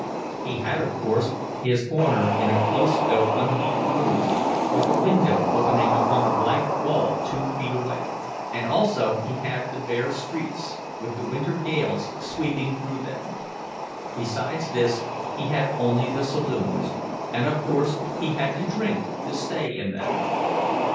He had, of course, his corner in a close though unheated room, with a window opening upon a blank wall two feet away; and also he had the bare streets, with the winter gales sweeping through them; besides this he had only the saloons—and, of course, he had to drink to stay in them.